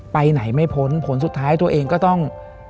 ไปไหนไม่พ้นผลสุดท้ายตัวเองก็ต้อง